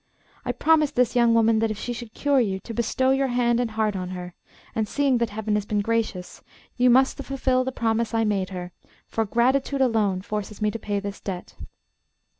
I promised this young woman that if she should cure you, to bestow your hand and heart on her, and seeing that Heaven has been gracious, you must fulfil the promise I made her; for gratitude alone forces me to pay this debt.